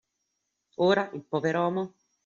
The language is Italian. Ora il poveromo